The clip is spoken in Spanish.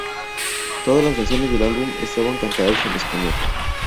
Todas las canciones del álbum estaban cantadas en español.